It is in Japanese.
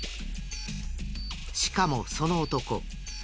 しかもその男